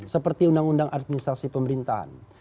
seperti undang undang administrasi pemerintahan